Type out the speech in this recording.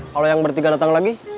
kalau yang bertiga datang lagi